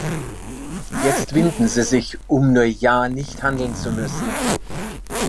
Jetzt winden sie sich, um nur ja nicht handeln zu müssen.